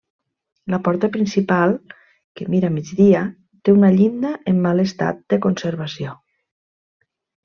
La porta principal, que mira a migdia, té una llinda en mal estat de conservació.